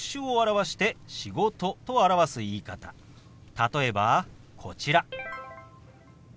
例えばこちら。